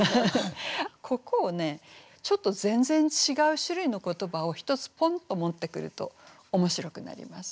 ここをねちょっと全然違う種類の言葉を一つポンと持ってくると面白くなります。